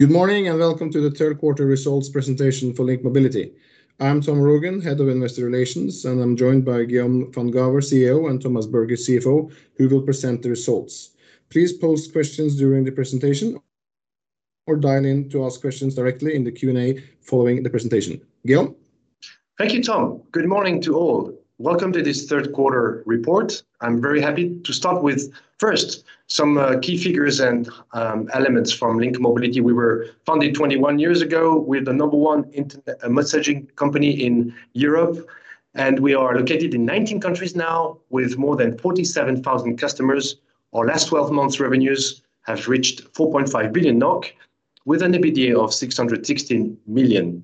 Good morning, and welcome to the third quarter results presentation for LINK Mobility. I'm Tom Rogn, Head of Investor Relations, and I'm joined by Guillaume van Gaver, CEO, and Thomas Berge, CFO, who will present the results. Please post questions during the presentation or dial in to ask questions directly in the Q&A following the presentation. Guillaume? Thank you, Tom. Good morning to all. Welcome to this third quarter report. I'm very happy to start with, first, some key figures and elements from LINK Mobility. We were founded 21 years ago. We're the number one messaging company in Europe, and we are located in 19 countries now, with more than 47,000 customers. Our last 12 months revenues have reached 4.5 billion NOK, with an EBITDA of 616 million.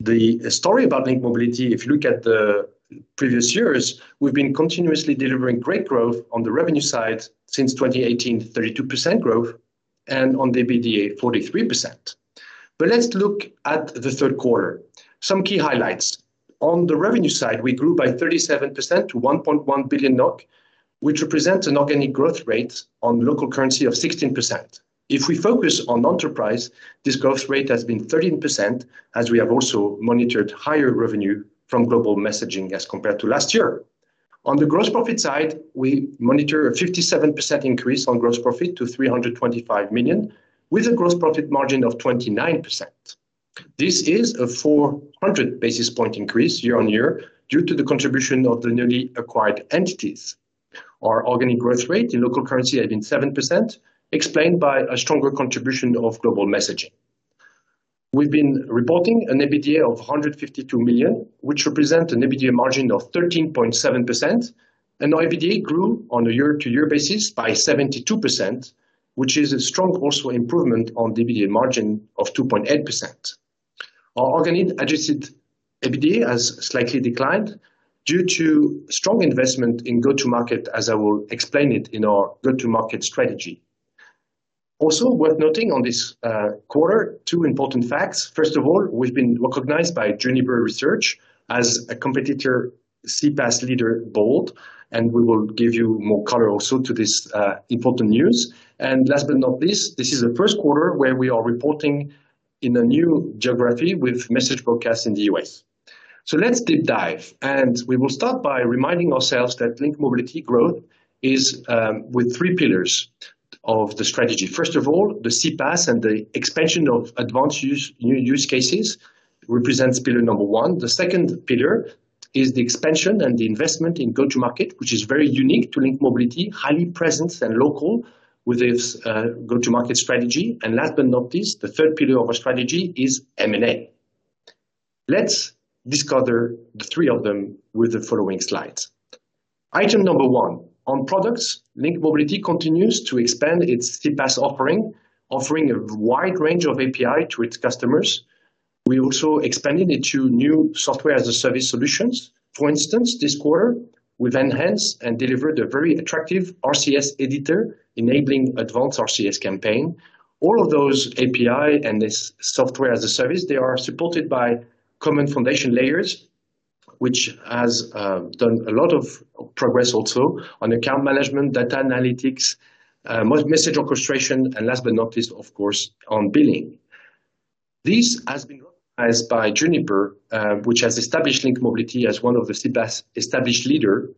The story about LINK Mobility, if you look at the previous years, we've been continuously delivering great growth on the revenue side since 2018, 32% growth, and on the EBITDA, 43%. But let's look at the third quarter. Some key highlights. On the revenue side, we grew by 37% to 1.1 billion NOK, which represents an organic growth rate on local currency of 16%. If we focus on enterprise, this growth rate has been 13%, as we have also monitored higher revenue from global messaging as compared to last year. On the gross profit side, we monitor a 57% increase on gross profit to 325 million, with a gross profit margin of 29%. This is a 400 basis points increase year-on-year, due to the contribution of the newly acquired entities. Our organic growth rate in local currency has been 7%, explained by a stronger contribution of global messaging. We've been reporting an EBITDA of 152 million, which represent an EBITDA margin of 13.7%, and our EBITDA grew on a year-to-year basis by 72%, which is a strong also improvement on the EBITDA margin of 2.8%. Our organic adjusted EBITDA has slightly declined due to strong investment in go-to-market, as I will explain it in our go-to-market strategy. Also, worth noting on this quarter, two important facts. First of all, we've been recognized by Juniper Research as a CPaaS leader, and we will give you more color also to this important news. And last but not least, this is the first quarter where we are reporting in a new geography with Message Broadcast in the U.S. So let's deep dive, and we will start by reminding ourselves that LINK Mobility growth is with three pillars of the strategy. First of all, the CPaaS and the expansion of advanced use, new use cases represents pillar number one. The second pillar is the expansion and the investment in go-to-market, which is very unique to LINK Mobility, highly present and local with its go-to-market strategy. And last but not least, the third pillar of our strategy is M&A. Let's discover the three of them with the following slides. Item number one, on products, LINK Mobility continues to expand its CPaaS offering, offering a wide range of API to its customers. We also expanded it to new software as a service solutions. For instance, this quarter, we've enhanced and delivered a very attractive RCS editor, enabling advanced RCS campaign. All of those API and this software as a service, they are supported by common foundation layers, which has done a lot of progress also on account management, data analytics, message orchestration, and last but not least, of course, on billing. This has been recognized by Juniper, which has established LINK Mobility as one of the CPaaS-established leader.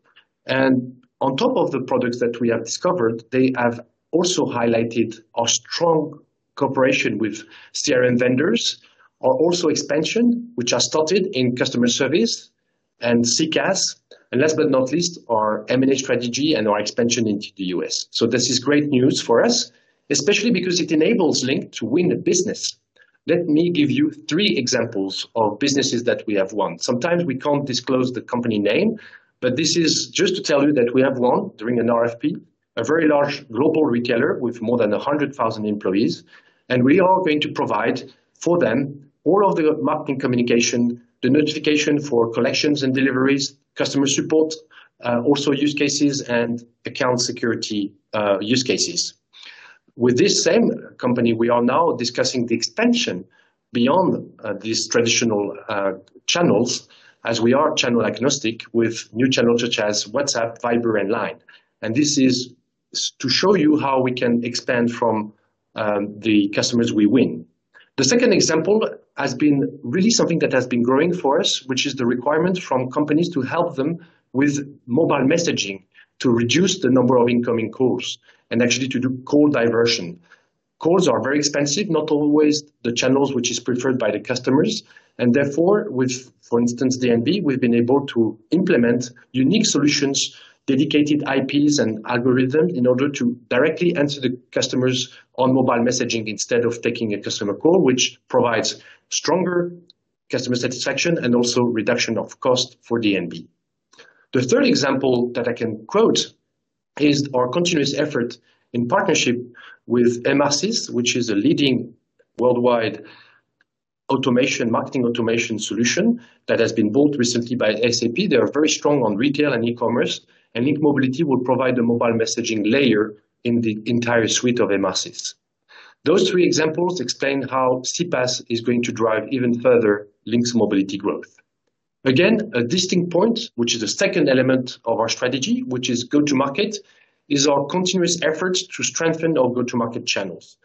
And on top of the products that we have discovered, they have also highlighted our strong cooperation with CRM vendors. Also expansion, which are started in customer service and CCaaS, and last but not least, our M&A strategy and our expansion into the U.S. So this is great news for us, especially because it enables LINK to win the business. Let me give you three examples of businesses that we have won. Sometimes we can't disclose the company name, but this is just to tell you that we have won, during an RFP, a very large global retailer with more than 100,000 employees, and we are going to provide for them all of the marketing communication, the notification for collections and deliveries, customer support, also use cases and account security, use cases. With this same company, we are now discussing the expansion beyond these traditional channels, as we are channel agnostic with new channels such as WhatsApp, Viber, and Line. And this is to show you how we can expand from the customers we win. The second example has been really something that has been growing for us, which is the requirement from companies to help them with mobile messaging, to reduce the number of incoming calls and actually to do call diversion. Calls are very expensive, not always the channels which is preferred by the customers, and therefore, with, for instance, DNB, we've been able to implement unique solutions, dedicated IPs and algorithm in order to directly answer the customers on mobile messaging instead of taking a customer call, which provides stronger customer satisfaction and also reduction of cost for DNB. The third example that I can quote is our continuous effort in partnership with Emarsys, which is a leading worldwide automation, marketing automation solution that has been bought recently by SAP. They are very strong on retail and e-commerce, and LINK Mobility will provide a mobile messaging layer in the entire suite of Emarsys. Those three examples explain how CPaaS is going to drive even further LINK Mobility's growth. Again, a distinct point, which is the second element of our strategy, which is go-to-market, is our continuous efforts to strengthen our go-to-market channels.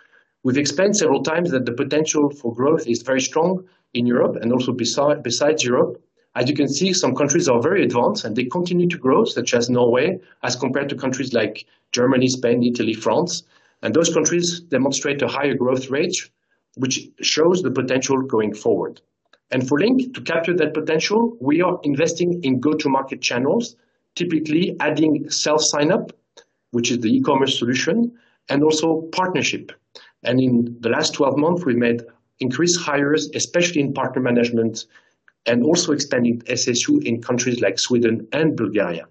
We've explained several times that the potential for growth is very strong in Europe and also beside, besides Europe. As you can see, some countries are very advanced, and they continue to grow, such as Norway, as compared to countries like Germany, Spain, Italy, France, and those countries demonstrate a higher growth rate, which shows the potential going forward. For LINK, to capture that potential, we are investing in go-to-market channels, typically adding self-sign-up, which is the e-commerce solution, and also partnership. In the last 12 months, we made increased hires, especially in partner management and also expanding SSU in countries like Sweden and Bulgaria.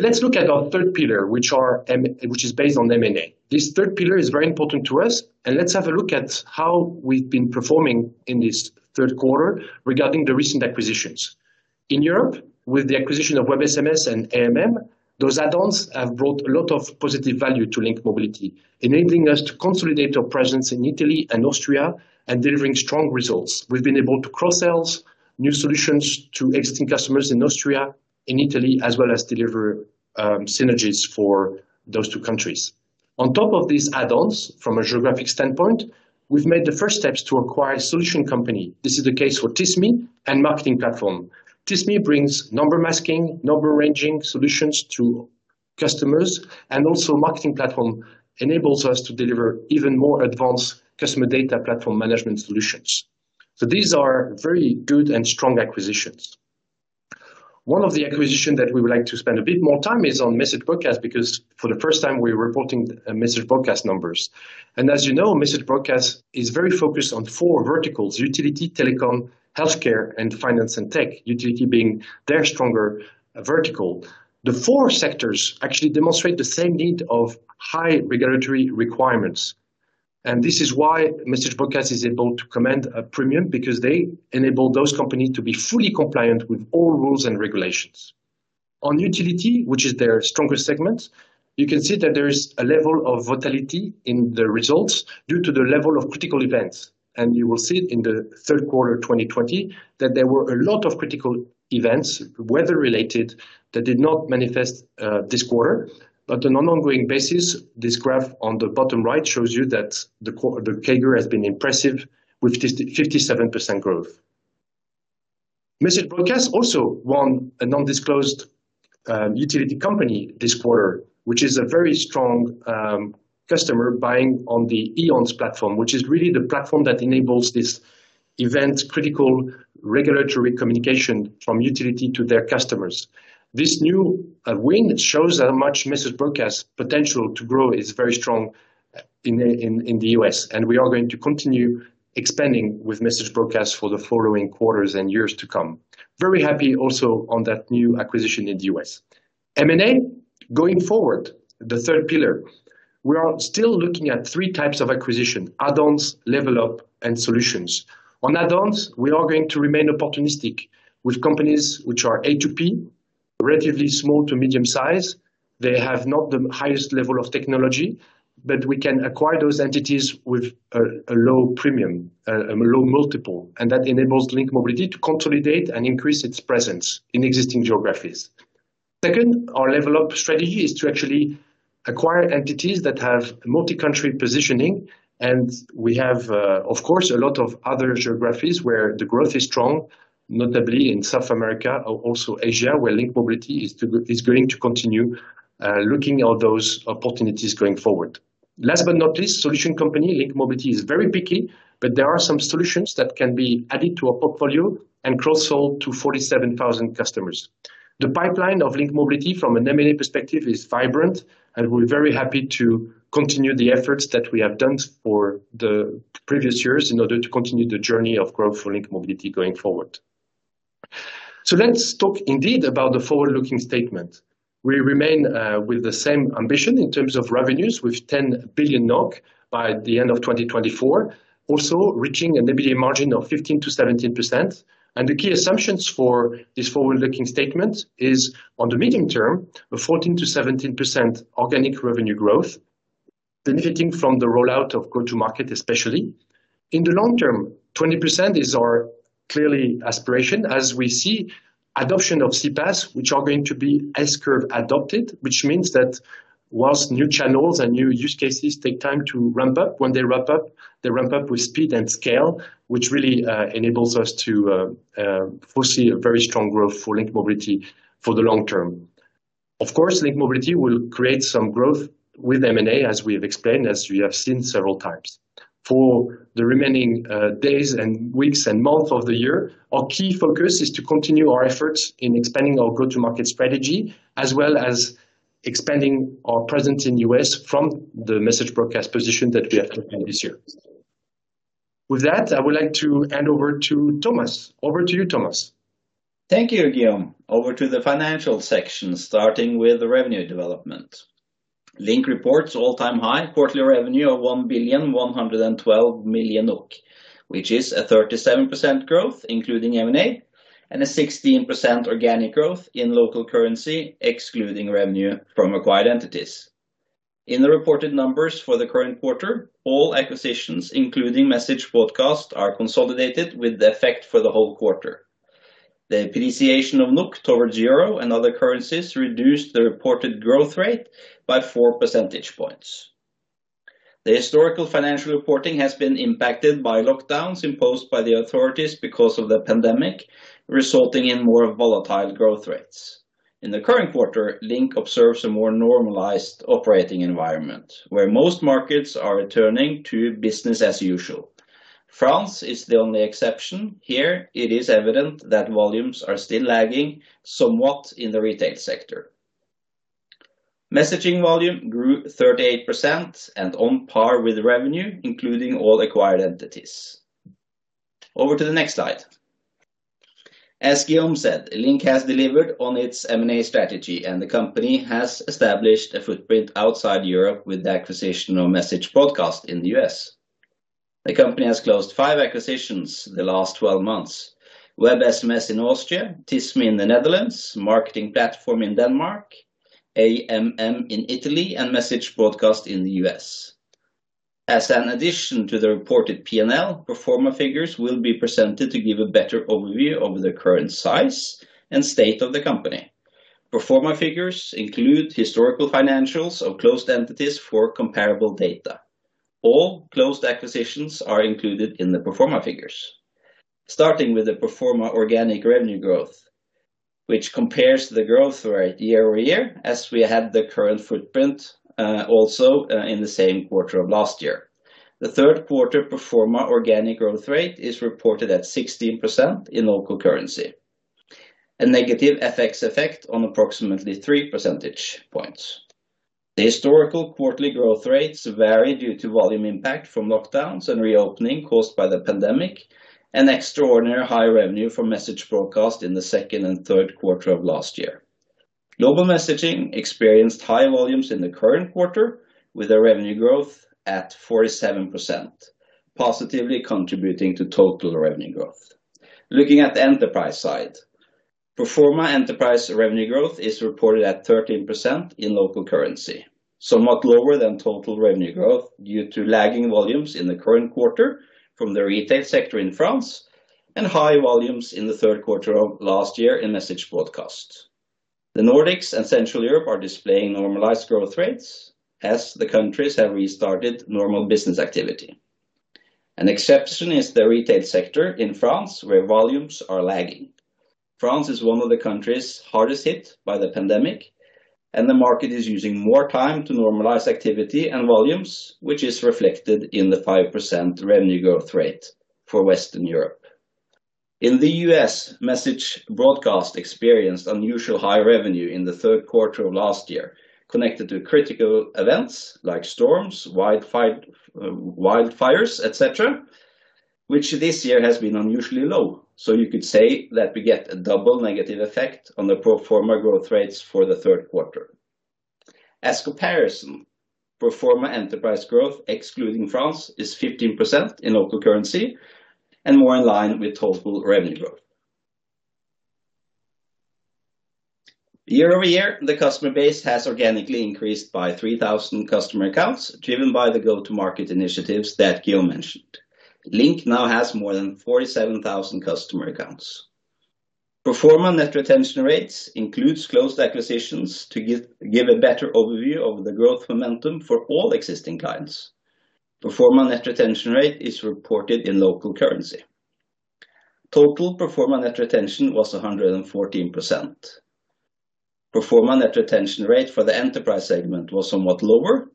Let's look at our third pillar, which is based on M&A. This third pillar is very important to us, and let's have a look at how we've been performing in this third quarter regarding the recent acquisitions. In Europe, with the acquisition of WebSMS and AMM, those add-ons have brought a lot of positive value to LINK Mobility, enabling us to consolidate our presence in Italy and Austria and delivering strong results. We've been able to cross-sell new solutions to existing customers in Austria, in Italy, as well as deliver synergies for those two countries. On top of these add-ons, from a geographic standpoint, we've made the first steps to acquire a solution company. This is the case for TISMI and MarketingPlatform. TISMI brings number masking, number ranging solutions to customers, and also MarketingPlatform enables us to deliver even more advanced customer data platform management solutions, so these are very good and strong acquisitions. One of the acquisition that we would like to spend a bit more time is on Message Broadcast, because for the first time, we're reporting Message Broadcast numbers. And as you know, Message Broadcast is very focused on four verticals: utility, telecom, healthcare, and finance and tech. Utility being their stronger vertical. The four sectors actually demonstrate the same need of high regulatory requirements, and this is why Message Broadcast is able to command a premium, because they enable those companies to be fully compliant with all rules and regulations. On utility, which is their strongest segment, you can see that there is a level of volatility in the results due to the level of critical events, and you will see it in the third quarter of 2020, that there were a lot of critical events, weather-related, that did not manifest this quarter. But on an ongoing basis, this graph on the bottom right shows you that the CAGR has been impressive, with 57% growth. Message Broadcast also won an undisclosed utility company this quarter, which is a very strong customer buy-in on the EONS platform, which is really the platform that enables this mission-critical regulatory communication from utility to their customers. This new win shows how much Message Broadcast potential to grow is very strong in the U.S., and we are going to continue expanding with Message Broadcast for the following quarters and years to come. Very happy also on that new acquisition in the U.S. M&A, going forward, the third pillar. We are still looking at three types of acquisition: add-ons, level up, and solutions. On add-ons, we are going to remain opportunistic with companies which are A2P, relatively small to medium size. They have not the highest level of technology, but we can acquire those entities with a low premium, and a low multiple, and that enables LINK Mobility to consolidate and increase its presence in existing geographies. Second, our level up strategy is to actually acquire entities that have multi-country positioning, and we have, of course, a lot of other geographies where the growth is strong, notably in South America, also Asia, where LINK Mobility is going to continue looking at those opportunities going forward. Last but not least, solution company, LINK Mobility is very picky, but there are some solutions that can be added to our portfolio and cross-sold to 47,000 customers. The pipeline of LINK Mobility from an M&A perspective is vibrant, and we're very happy to continue the efforts that we have done for the previous years in order to continue the journey of growth for LINK Mobility going forward. So let's talk indeed about the forward-looking statement. We remain with the same ambition in terms of revenues, with 10 billion NOK by the end of 2024. Also, reaching an EBITDA margin of 15%-17%. And the key assumptions for this forward-looking statement is, on the medium term, a 14%-17% organic revenue growth, benefiting from the rollout of go-to-market, especially. In the long term, 20% is our clearly aspiration as we see adoption of CPaaS, which are going to be S-curve adopted, which means that while new channels and new use cases take time to ramp up, when they ramp up, they ramp up with speed and scale, which really enables us to foresee a very strong growth for LINK Mobility for the long term. Of course, LINK Mobility will create some growth with M&A, as we have explained, as we have seen several times. For the remaining days and weeks and months of the year, our key focus is to continue our efforts in expanding our go-to-market strategy, as well as expanding our presence in U.S. from the Message Broadcast position that we have taken this year. With that, I would like to hand over to Thomas. Over to you, Thomas. Thank you, Guillaume. Over to the financial section, starting with the revenue development. LINK reports all-time high quarterly revenue of 1,112,000,000, which is a 37% growth, including M&A, and a 16% organic growth in local currency, excluding revenue from acquired entities. In the reported numbers for the current quarter, all acquisitions, including Message Broadcast, are consolidated with the effect for the whole quarter. The appreciation of NOK towards euro and other currencies reduced the reported growth rate by four percentage points. The historical financial reporting has been impacted by lockdowns imposed by the authorities because of the pandemic, resulting in more volatile growth rates. In the current quarter, LINK observes a more normalized operating environment, where most markets are returning to business as usual. France is the only exception. Here, it is evident that volumes are still lagging somewhat in the retail sector. Messaging volume grew 38% and on par with revenue, including all acquired entities. Over to the next slide. As Guillaume said, LINK has delivered on its M&A strategy, and the company has established a footprint outside Europe with the acquisition of Message Broadcast in the U.S. The company has closed five acquisitions in the last 12 months: WebSMS in Austria, TISMI in the Netherlands, MarketingPlatform in Denmark, AMM in Italy, and Message Broadcast in the U.S. As an addition to the reported P&L, pro forma figures will be presented to give a better overview of the current size and state of the company. Pro forma figures include historical financials of closed entities for comparable data. All closed acquisitions are included in the pro forma figures. Starting with the pro forma organic revenue growth, which compares the growth rate year-over-year, as we had the current footprint, in the same quarter of last year. The third quarter pro forma organic growth rate is reported at 16% in local currency. A negative FX effect on approximately three percentage points. The historical quarterly growth rates vary due to volume impact from lockdowns and reopening caused by the pandemic, and extraordinary high revenue for Message Broadcast in the second and third quarter of last year. Global messaging experienced high volumes in the current quarter, with a revenue growth at 47%, positively contributing to total revenue growth. Looking at the enterprise side, pro forma enterprise revenue growth is reported at 13% in local currency, somewhat lower than total revenue growth due to lagging volumes in the current quarter from the retail sector in France, and high volumes in the third quarter of last year in Message Broadcast. The Nordics and Central Europe are displaying normalized growth rates as the countries have restarted normal business activity. An exception is the retail sector in France, where volumes are lagging. France is one of the countries hardest hit by the pandemic, and the market is using more time to normalize activity and volumes, which is reflected in the 5% revenue growth rate for Western Europe. In the U.S., Message Broadcast experienced unusually high revenue in the third quarter of last year, connected to critical events like storms, wildfires, et cetera, which this year has been unusually low. You could say that we get a double negative effect on the pro forma growth rates for the third quarter. As comparison, pro forma enterprise growth, excluding France, is 15% in local currency and more in line with total revenue growth. Year-over-year, the customer base has organically increased by 3,000 customer accounts, driven by the go-to-market initiatives that Guillaume mentioned. LINK now has more than 47,000 customer accounts. Pro forma net retention rates includes closed acquisitions to give a better overview of the growth momentum for all existing clients. Pro forma net retention rate is reported in local currency. Total pro forma net retention was 114%. Pro forma net retention rate for the enterprise segment was somewhat lower,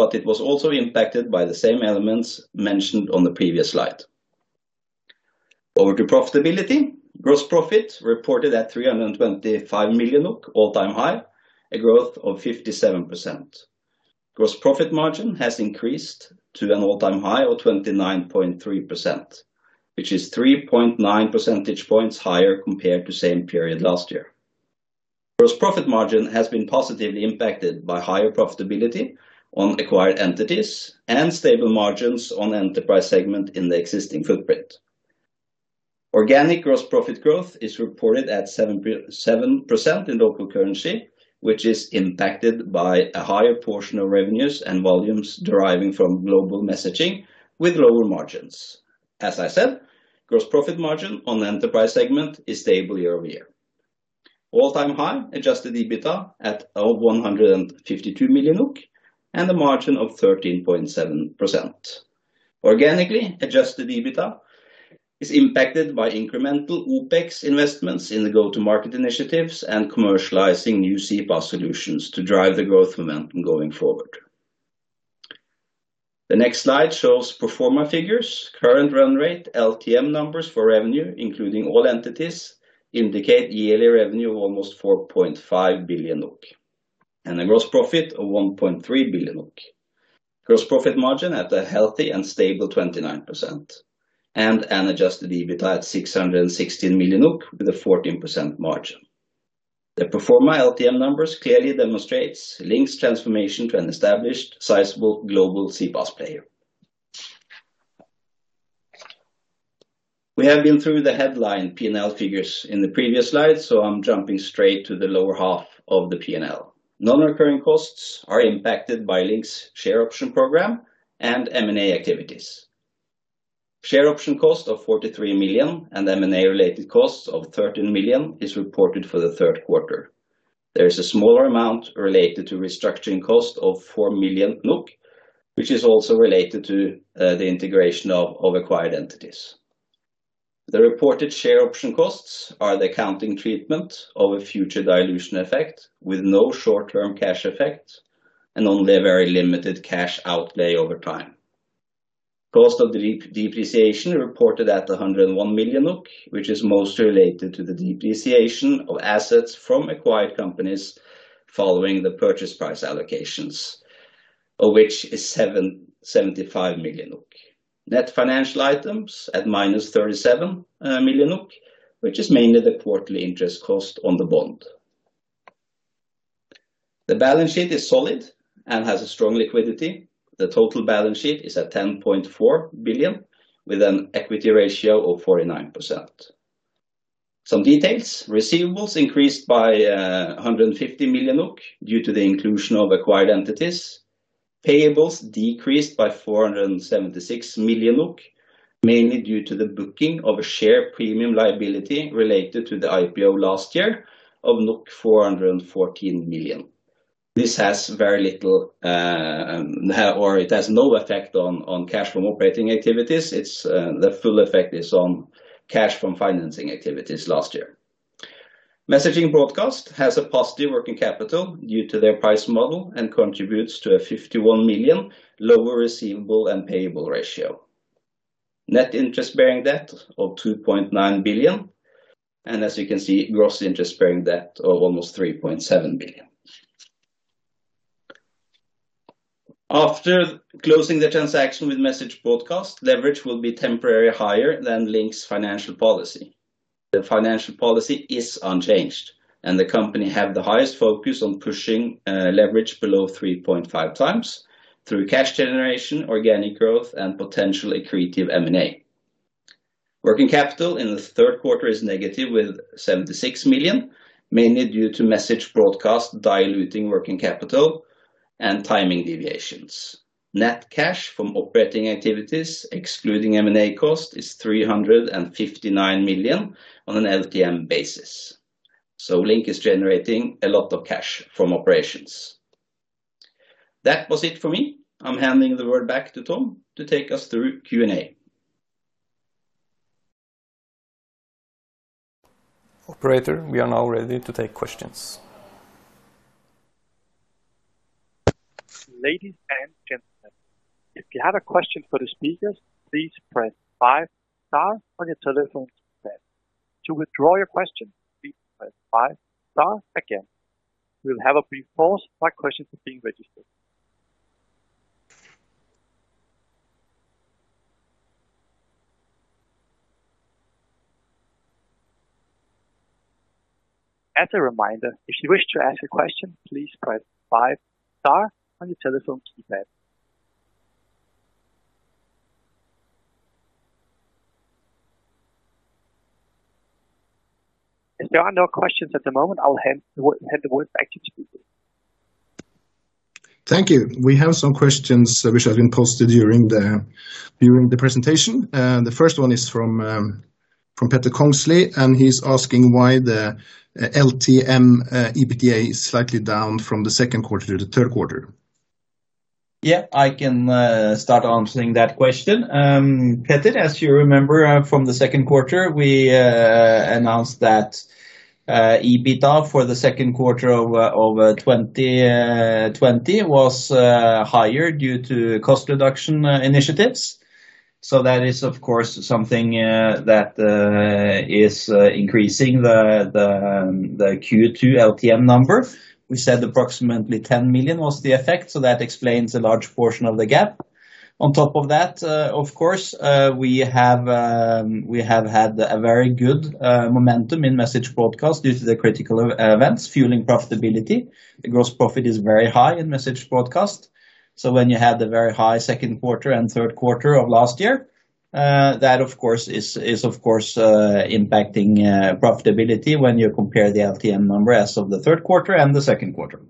but it was also impacted by the same elements mentioned on the previous slide. Over to profitability. Gross profit reported at 325 million, all-time high, a growth of 57%. Gross profit margin has increased to an all-time high of 29.3%, which is 3.9 percentage points higher compared to same period last year. Gross profit margin has been positively impacted by higher profitability on acquired entities and stable margins on the enterprise segment in the existing footprint. Organic gross profit growth is reported at 77% in local currency, which is impacted by a higher portion of revenues and volumes deriving from global messaging with lower margins. As I said, gross profit margin on the enterprise segment is stable year over year. All-time high adjusted EBITDA at 152 million and a margin of 13.7%. Organically, adjusted EBITDA is impacted by incremental OpEx investments in the go-to-market initiatives and commercializing new CPaaS solutions to drive the growth momentum going forward. The next slide shows pro forma figures. Current run rate LTM numbers for revenue, including all entities, indicate yearly revenue of almost 4.5 billion, and a gross profit of 1.3 billion. Gross profit margin at a healthy and stable 29%, and an adjusted EBITDA at 616 million with a 14% margin. The pro forma LTM numbers clearly demonstrates LINK's transformation to an established, sizable global CPaaS player.. We have been through the headline P&L figures in the previous slide, so I'm jumping straight to the lower half of the P&L. Non-recurring costs are impacted by LINK's share option program and M&A activities. Share option cost of 43 million and M&A related costs of 13 million is reported for the third quarter. There is a smaller amount related to restructuring cost of 4 million NOK, which is also related to the integration of acquired entities. The reported share option costs are the accounting treatment of a future dilution effect, with no short-term cash effect and only a very limited cash outlay over time. Cost of the depreciation reported at 101 million, which is mostly related to the depreciation of assets from acquired companies following the purchase price allocations, of which is 75 million NOK. Net financial items at -37 million NOK, which is mainly the quarterly interest cost on the bond. The balance sheet is solid and has a strong liquidity. The total balance sheet is at 10.4 billion, with an equity ratio of 49%. Some details, receivables increased by 150 million due to the inclusion of acquired entities. Payables decreased by 476 million, mainly due to the booking of a share premium liability related to the IPO last year of 414 million. This has very little, or it has no effect on cash from operating activities. It's the full effect is on cash from financing activities last year. Message Broadcast has a positive working capital due to their price model and contributes to a 51 million lower receivable and payable ratio. Net interest bearing debt of 2.9 billion, and as you can see, gross interest bearing debt of almost 3.7 billion. After closing the transaction with Message Broadcast, leverage will be temporarily higher than LINK's financial policy. The financial policy is unchanged, and the company have the highest focus on pushing leverage below 3.5 times through cash generation, organic growth, and potentially creative M&A. Working capital in the third quarter is negative, with 76 million, mainly due to Message Broadcast diluting working capital and timing deviations. Net cash from operating activities, excluding M&A cost, is 359 million on an LTM basis. So LINK is generating a lot of cash from operations. That was it for me. I'm handing the word back to Tom to take us through Q&A. Operator, we are now ready to take questions. Ladies and gentlemen, if you have a question for the speakers, please press five star on your telephone keypad. To withdraw your question, please press five star again. We'll have a few questions being registered. As a reminder, if you wish to ask a question, please press five star on your telephone keypad. As there are no questions at the moment, I'll hand the word back to you. Thank you. We have some questions which have been posted during the presentation. The first one is from Petter Kongslie, and he's asking why the LTM EBITDA is slightly down from the second quarter to the third quarter. Yeah, I can start answering that question. Petter, as you remember, from the second quarter, we announced that EBITDA for the second quarter of 2020 was higher due to cost reduction initiatives. So that is, of course, something that is increasing the Q2 LTM number. We said approximately ten million was the effect, so that explains a large portion of the gap. On top of that, of course, we have had a very good momentum in Message Broadcast due to the critical events, fueling profitability. The gross profit is very high in Message Broadcast. So when you had the very high second quarter and third quarter of last year, that of course is impacting profitability when you compare the LTM numbers of the third quarter and the second quarter.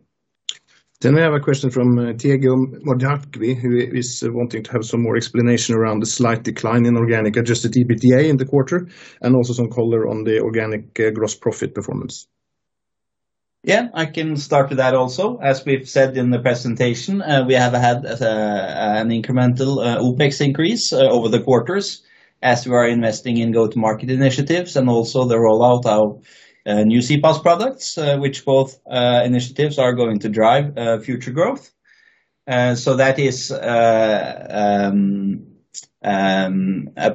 Then we have a question from Thiago Bota, who is wanting to have some more explanation around the slight decline in organic adjusted EBITDA in the quarter, and also some color on the organic gross profit performance. Yeah, I can start with that also. As we've said in the presentation, we have had an incremental OpEx increase over the quarters as we are investing in go-to-market initiatives and also the rollout of new CPaaS products, which both initiatives are going to drive future growth. So that is a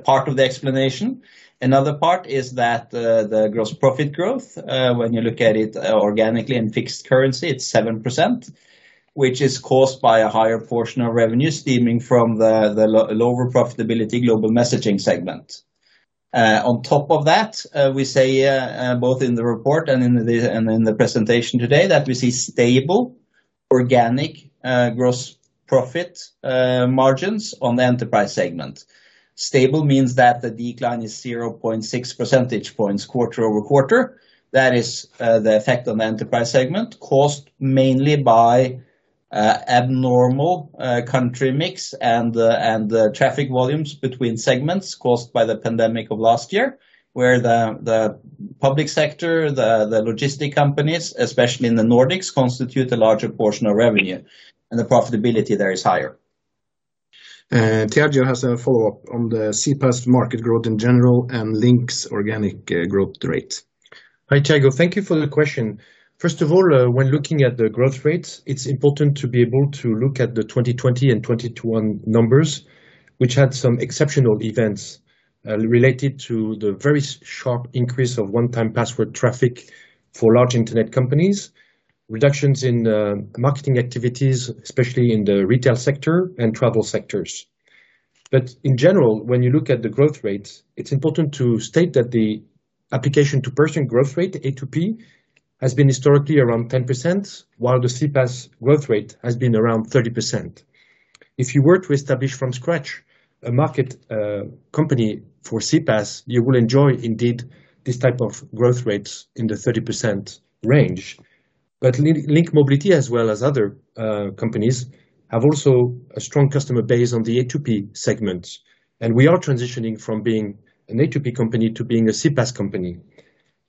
part of the explanation. Another part is that the gross profit growth, when you look at it organically in fixed currency, it's 7%, which is caused by a higher portion of revenues stemming from the lower profitability global messaging segment. On top of that, we say both in the report and in the presentation today that we see stable organic gross profit margins on the enterprise segment. Stable means that the decline is 0.6 percentage points, quarter-over-quarter. That is, the effect on the enterprise segment, caused mainly by abnormal country mix and the traffic volumes between segments caused by the pandemic of last year, where the public sector, the logistic companies, especially in the Nordics, constitute a larger portion of revenue, and the profitability there is higher. Thiago has a follow-up on the CPaaS market growth in general and LINK's organic growth rate. Hi, Thiago. Thank you for the question. First of all, when looking at the growth rates, it's important to be able to look at the 2020 and 2021 numbers, which had some exceptional events, related to the very sharp increase of one-time password traffic for large internet companies, reductions in, marketing activities, especially in the retail sector and travel sectors. But in general, when you look at the growth rates, it's important to state that the application to person growth rate, A2P, has been historically around 10%, while the CPaaS growth rate has been around 30%. If you were to establish from scratch a market, company for CPaaS, you will enjoy indeed, this type of growth rates in the 30% range. But LINK Mobility, as well as other companies, have also a strong customer base on the A2P segment, and we are transitioning from being an A2P company to being a CPaaS company,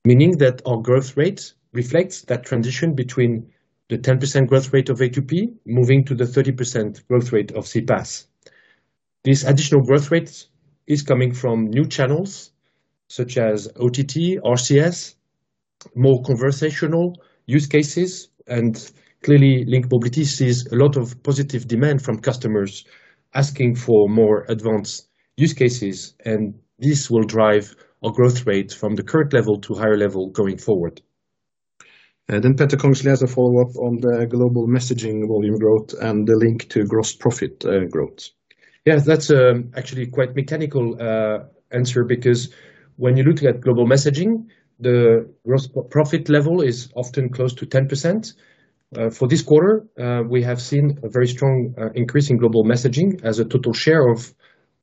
meaning that our growth rate reflects that transition between the 10% growth rate of A2P, moving to the 30% growth rate of CPaaS. This additional growth rate is coming from new channels such as OTT, RCS, more conversational use cases, and clearly, LINK Mobility sees a lot of positive demand from customers asking for more advanced use cases, and this will drive our growth rate from the current level to higher level going forward. Then Petter Kongslie has a follow-up on the global messaging volume growth and the link to gross profit, growth. Yeah, that's actually quite mechanical answer, because when you look at global messaging, the gross profit level is often close to 10%. For this quarter, we have seen a very strong increase in global messaging as a total share of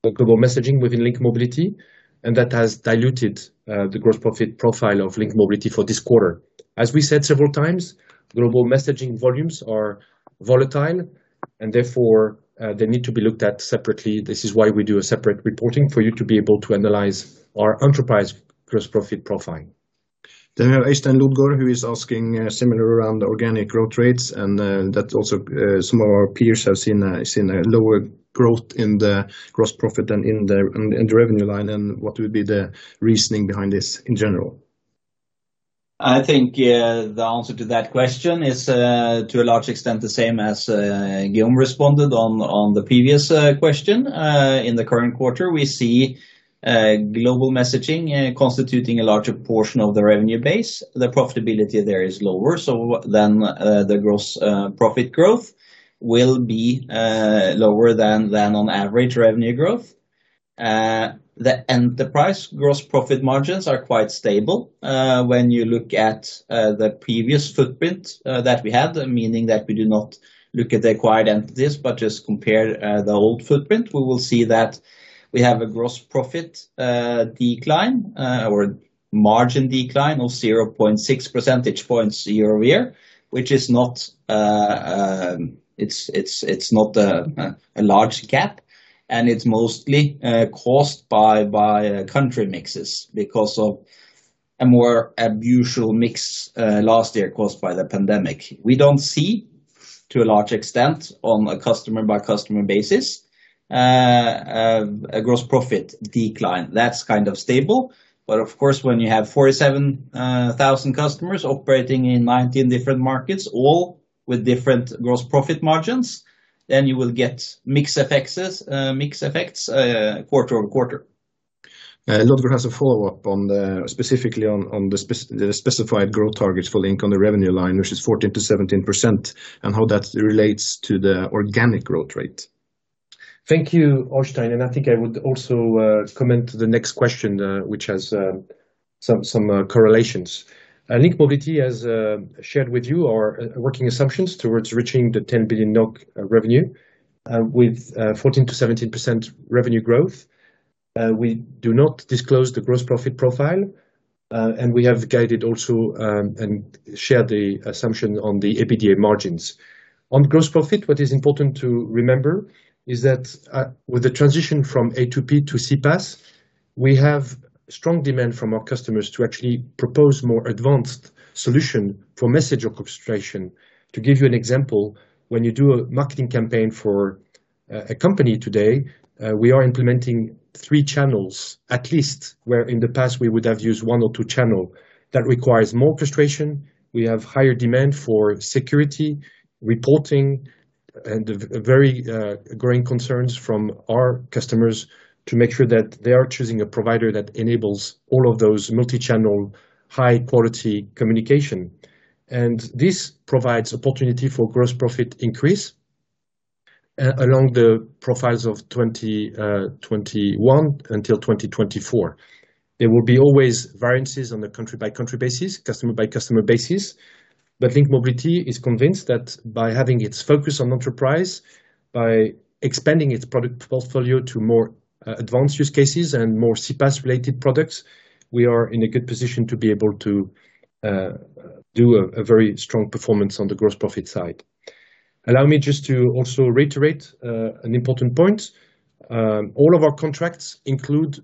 the global messaging within LINK Mobility, and that has diluted the gross profit profile of LINK Mobility for this quarter. As we said several times, global messaging volumes are volatile, and therefore, they need to be looked at separately. This is why we do a separate reporting for you to be able to analyze our enterprise gross profit profile. We have Øystein Lodgaard, who is asking similar around the organic growth rates, and that also some of our peers have seen a lower growth in the gross profit and in the revenue line, and what would be the reasoning behind this in general? I think the answer to that question is to a large extent the same as Guillaume responded on the previous question. In the current quarter, we see global messaging constituting a larger portion of the revenue base. The profitability there is lower, so then the gross profit growth will be lower than the average revenue growth. And the gross profit margins are quite stable. When you look at the previous footprint that we had, meaning that we do not look at the acquired entities, but just compare the old footprint, we will see that we have a gross profit decline or margin decline of 0.6 percentage points year-over-year, which is not, it's not a large gap, and it's mostly caused by country mixes because of a more unusual mix last year, caused by the pandemic. We don't see, to a large extent, on a customer-by-customer basis, a gross profit decline. That's kind of stable, but of course, when you have 47,000 thousand customers operating in 19 different markets, all with different gross profit margins, then you will get mix effects quarter-over-quarter. Lodgaard has a follow-up specifically on the specified growth targets for LINK on the revenue line, which is 14%-17%, and how that relates to the organic growth rate. Thank you, Øystein, and I think I would also comment to the next question, which has some correlations. LINK Mobility has shared with you our working assumptions towards reaching the 10 billion NOK revenue with 14%-17% revenue growth. We do not disclose the gross profit profile and we have guided also and shared the assumption on the EBITDA margins. On gross profit, what is important to remember is that with the transition from A2P to CPaaS, we have strong demand from our customers to actually propose more advanced solution for message orchestration. To give you an example, when you do a marketing campaign for a company today, we are implementing three channels, at least, where in the past we would have used one or two channel. That requires more orchestration. We have higher demand for security, reporting, and a very growing concerns from our customers to make sure that they are choosing a provider that enables all of those multi-channel, high-quality communication, and this provides opportunity for gross profit increase along the profiles of 2021 until 2024. There will be always variances on a country-by-country basis, customer-by-customer basis. LINK Mobility is convinced that by having its focus on enterprise, by expanding its product portfolio to more advanced use cases and more CPaaS-related products, we are in a good position to be able to do a very strong performance on the gross profit side. Allow me just to also reiterate an important point. All of our contracts include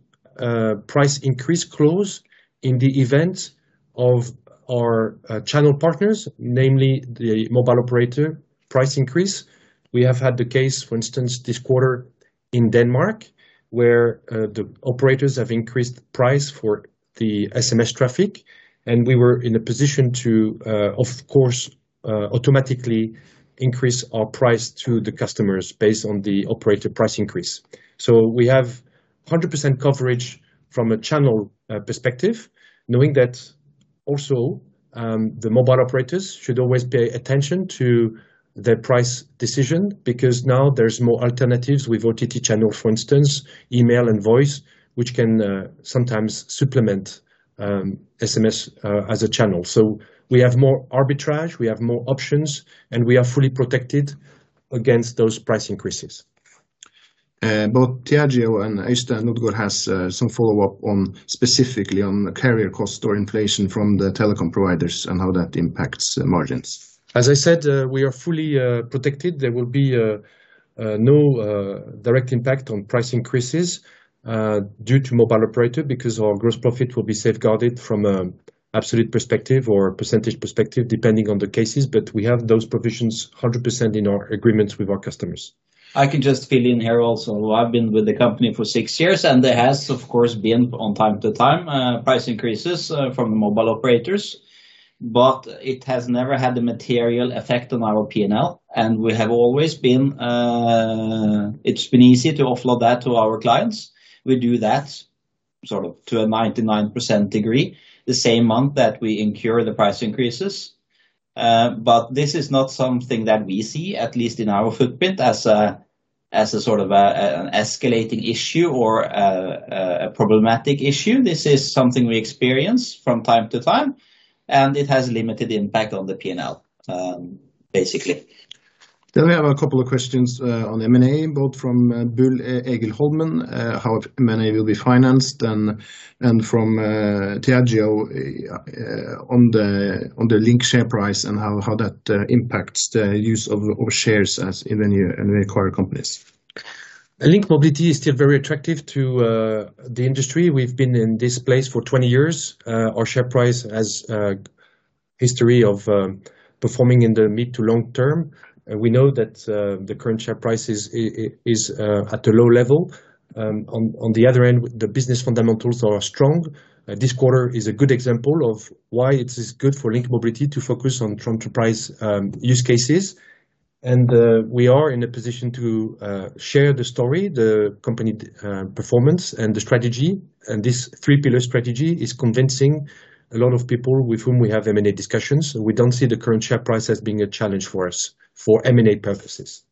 price increase clause in the event of our channel partners, namely the mobile operator price increase. We have had the case, for instance, this quarter in Denmark, where the operators have increased the price for the SMS traffic, and we were in a position to, of course, automatically increase our price to the customers based on the operator price increase. So we have 100% coverage from a channel perspective, knowing that also the mobile operators should always pay attention to their price decision, because now there's more alternatives with OTT channel, for instance, email and voice, which can sometimes supplement SMS as a channel. So we have more arbitrage, we have more options, and we are fully protected against those price increases. Both Thiago and Øystein Lodgaard has some follow-up on, specifically on the carrier cost or inflation from the telecom providers and how that impacts the margins. As I said, we are fully protected. There will be no direct impact on price increases due to mobile operator, because our gross profit will be safeguarded from absolute perspective or percentage perspective, depending on the cases, but we have those provisions 100% in our agreements with our customers. I can just fill in here also. I've been with the company for six years, and there has, of course, been from time to time price increases from the mobile operators, but it has never had a material effect on our P&L, and we have always been. It's been easy to offload that to our clients. We do that sort of to a 99% degree, the same month that we incur the price increases. But this is not something that we see, at least in our footprint, as a sort of an escalating issue or a problematic issue. This is something we experience from time to time, and it has limited impact on the P&L, basically. Then we have a couple of questions on M&A, both from Ole Eigil Holmen, how many will be financed, and from Thiago on the LINK share price and how that impacts the use of shares as in any acquire companies. LINK Mobility is still very attractive to the industry. We've been in this place for 20 years. Our share price has a history of performing in the mid to long term. We know that the current share price is at a low level. On the other end, the business fundamentals are strong. This quarter is a good example of why it is good for LINK Mobility to focus on enterprise use cases. And we are in a position to share the story, the company performance and the strategy. And this three-pillar strategy is convincing a lot of people with whom we have M&A discussions, and we don't see the current share price as being a challenge for us for M&A purposes.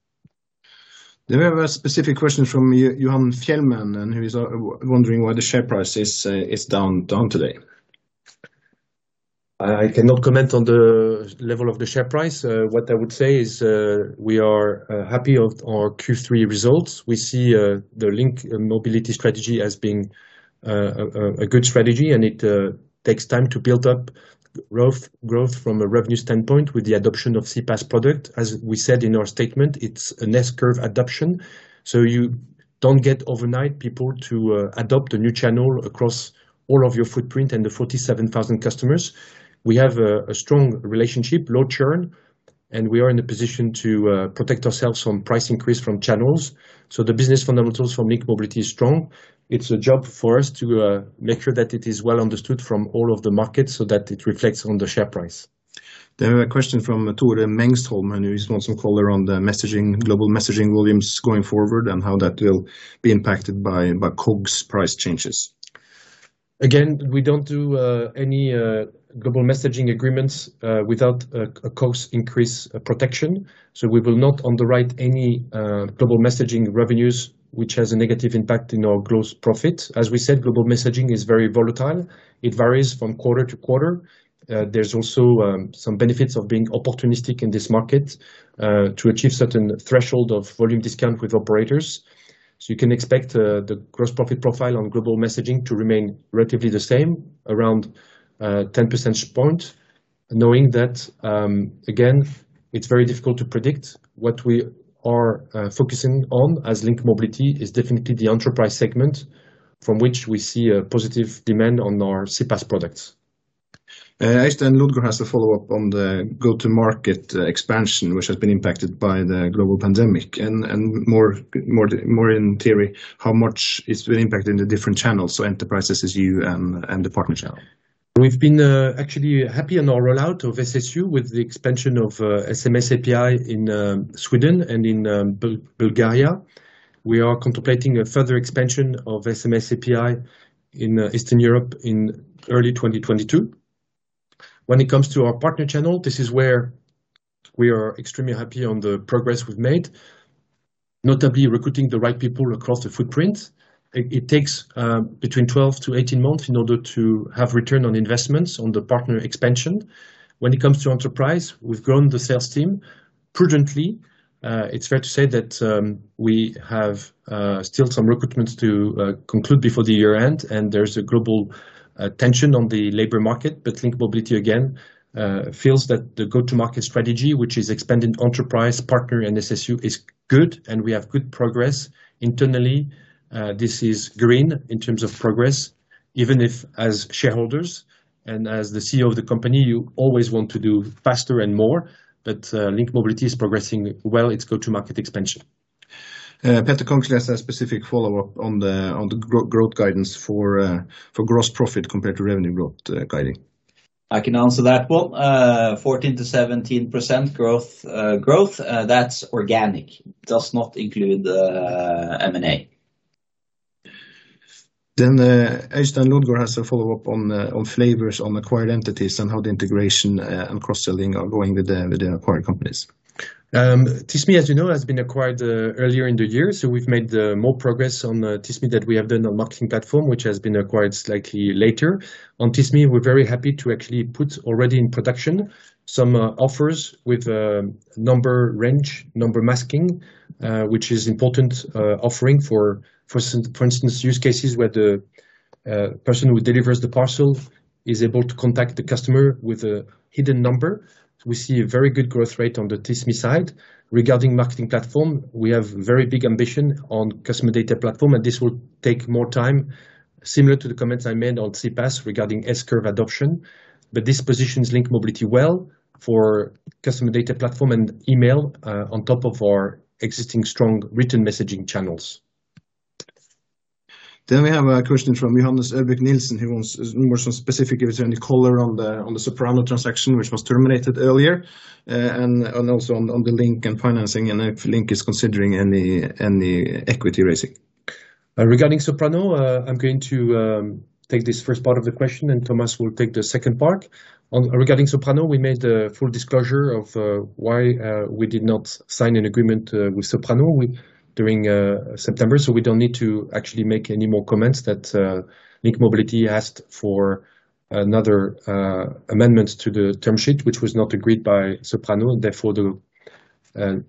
Then we have a specific question from Jonas Feldtmann, and he is wondering why the share price is down today. I cannot comment on the level of the share price. What I would say is, we are happy with our Q3 results. We see the LINK Mobility strategy as being a good strategy, and it takes time to build up growth from a revenue standpoint with the adoption of CPaaS product. As we said in our statement, it's an S-curve adoption, so you don't get overnight people to adopt a new channel across all of your footprint and the 47,000 customers. We have a strong relationship, low churn, and we are in a position to protect ourselves from price increase from channels. So the business fundamentals for LINK Mobility is strong. It's a job for us to make sure that it is well understood from all of the markets so that it reflects on the share price. Then a question from Tore Mengshoel, and he wants some color on the messaging, global messaging volumes going forward and how that will be impacted by COGS price changes. Again, we don't do any global messaging agreements without a cost increase protection. So we will not underwrite any global messaging revenues, which has a negative impact in our gross profit. As we said, global messaging is very volatile. It varies from quarter to quarter. There's also some benefits of being opportunistic in this market to achieve certain threshold of volume discount with operators. So you can expect the gross profit profile on global messaging to remain relatively the same, around 10 percentage point, knowing that again, it's very difficult to predict. What we are focusing on as LINK Mobility is definitely the enterprise segment from which we see a positive demand on our CPaaS products. Øystein Lodgaard has a follow-up on the go-to-market expansion, which has been impacted by the global pandemic, and more in theory, how much it's been impacted in the different channels, so enterprises, SU, and the partner channel. We've been actually happy in our rollout of SSU with the expansion of SMS API in Sweden and in Bulgaria. We are contemplating a further expansion of SMS API in Eastern Europe in early 2022. When it comes to our partner channel, this is where we are extremely happy on the progress we've made, notably recruiting the right people across the footprint. It takes between 12-18 months in order to have return on investments on the partner expansion. When it comes to enterprise, we've grown the sales team prudently. It's fair to say that we have still some recruitments to conclude before the year end, and there's a global tension on the labor market. But LINK Mobility, again, feels that the go-to-market strategy, which is expanding enterprise, partner, and SSU, is good, and we have good progress internally. This is green in terms of progress, even if, as shareholders and as the CEO of the company, you always want to do faster and more, but LINK Mobility is progressing well, its go-to-market expansion. Petter Kongslie has a specific follow-up on the growth guidance for gross profit compared to revenue growth guiding. I can answer that one. 14%-17% growth, that's organic, does not include M&A. Øystein Lodgaard has a follow-up on LINK's acquired entities and how the integration and cross-selling are going with the acquired companies. TISMI, as you know, has been acquired earlier in the year, so we've made more progress on TISMI than we have done on MarketingPlatform, which has been acquired slightly later. On TISMI, we're very happy to actually put already in production some offers with number range, number masking, which is important offering for instance, use cases where the person who delivers the parcel is able to contact the customer with a hidden number. We see a very good growth rate on the TISMI side. Regarding MarketingPlatform, we have very big ambition on customer data platform, and this will take more time, similar to the comments I made on CPaaS regarding S-curve adoption. But this positions LINK Mobility well for customer data platform and email on top of our existing strong written messaging channels. Then we have a question from Johannes Ørbeck-Nilssen, who wants some more specific, if there's any color on the Soprano transaction which was terminated earlier, and also on LINK's financing, and if LINK is considering any equity raising. Regarding Soprano, I'm going to take this first part of the question, and Thomas will take the second part. Regarding Soprano, we made a full disclosure of why we did not sign an agreement with Soprano during September, so we don't need to actually make any more comments that LINK Mobility asked for another amendment to the term sheet, which was not agreed by Soprano, therefore, the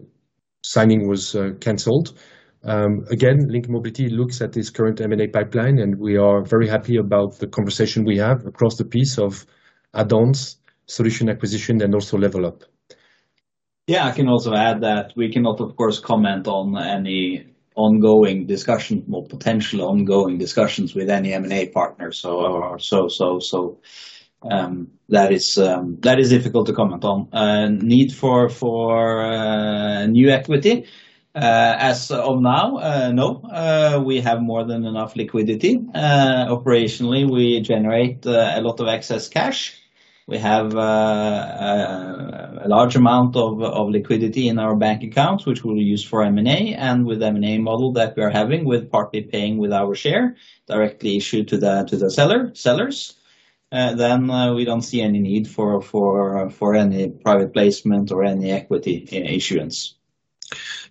signing was canceled. Again, LINK Mobility looks at this current M&A pipeline, and we are very happy about the conversation we have across the piece of add-ons, solution acquisition, and also level up. Yeah, I can also add that we cannot, of course, comment on any ongoing discussion or potential ongoing discussions with any M&A partners. So, that is difficult to comment on. Need for new equity, as of now, no. We have more than enough liquidity. Operationally, we generate a lot of excess cash. We have a large amount of liquidity in our bank accounts, which we'll use for M&A, and with M&A model that we're having, with partly paying with our share, directly issued to the sellers, then we don't see any need for any private placement or any equity issuance.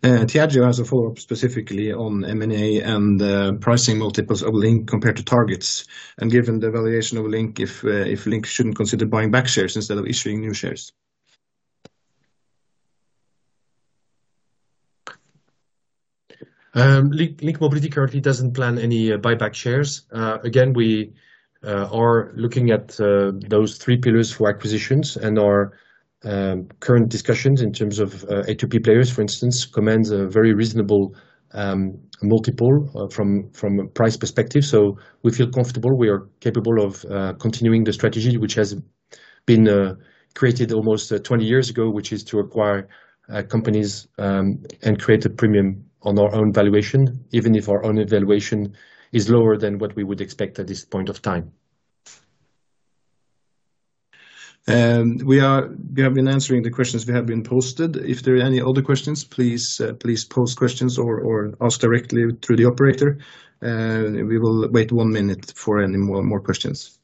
Thiago has a follow-up specifically on M&A and pricing multiples of LINK compared to targets, and given the valuation of LINK, if LINK shouldn't consider buying back shares instead of issuing new shares. LINK Mobility currently doesn't plan any buyback shares. Again, we are looking at those three pillars for acquisitions, and our current discussions in terms of A2P players, for instance, commands a very reasonable multiple from a price perspective, so we feel comfortable. We are capable of continuing the strategy, which has been created almost 20 years ago, which is to acquire companies and create a premium on our own valuation, even if our own valuation is lower than what we would expect at this point of time. We have been answering the questions we have been posed. If there are any other questions, please post questions or ask directly through the operator. We will wait one minute for any more questions.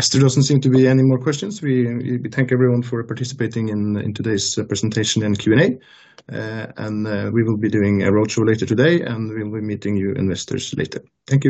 There still doesn't seem to be any more questions. We thank everyone for participating in today's presentation and Q&A. We will be doing a roadshow later today, and we will be meeting you investors later. Thank you.